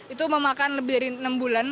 itu memakan lebih dari enam bulan